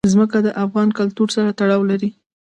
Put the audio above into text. ځمکه د افغان کلتور سره تړاو لري.